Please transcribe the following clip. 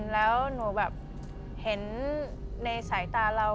แล้วหนูแบบเห็นในสายตาเรา